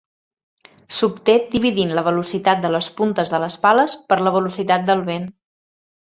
S'obté dividint la velocitat de les puntes de les pales per la velocitat del vent.